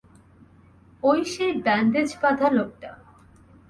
ওই সেই ব্যান্ডেজ বাঁধা লোকটা।